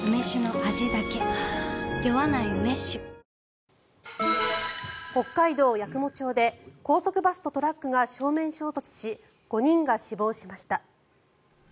ニトリ北海道八雲町で高速バスとトラックが正面衝突し５人が死亡しました。